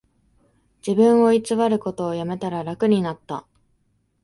自分を偽ることをやめたら楽になった